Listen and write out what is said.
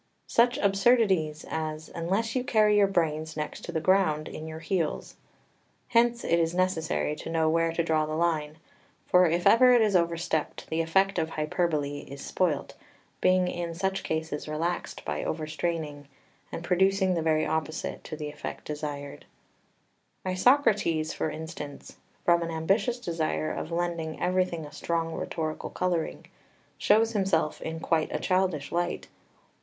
] XXXVIII Such absurdities as, "Unless you carry your brains next to the ground in your heels." Hence it is necessary to know where to draw the line; for if ever it is overstepped the effect of the hyperbole is spoilt, being in such cases relaxed by overstraining, and producing the very opposite to the effect desired. [Footnote 1: Pseud. Dem. de Halon. 45.] 2 Isocrates, for instance, from an ambitious desire of lending everything a strong rhetorical colouring, shows himself in quite a childish light.